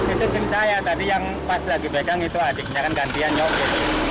itu tim saya tadi yang pas lagi pegang itu adiknya kan gantian nyokot